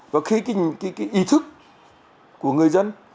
và khi cái ý thức của người dân